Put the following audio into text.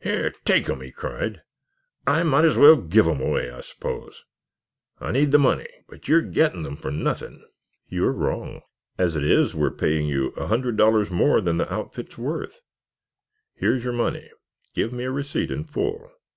"Here, take 'em!" he cried. "I might as well give them away, I suppose. I need the money, but you're getting them for nothing." "You are wrong. As it is we are paying you a hundred dollars more than the outfit is worth. Here is your money. Give me a receipt in full.